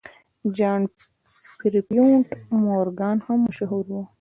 جان پیرپونټ مورګان هم مشهور و.